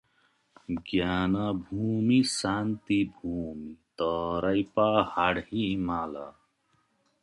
ज्ञानभूमि, शान्तिभूमि तराई, पहाड, हिमाल